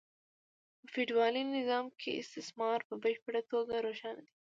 په فیوډالي نظام کې استثمار په بشپړه توګه روښانه دی